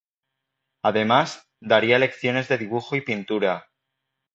Además, daría lecciones de dibujo y pintura.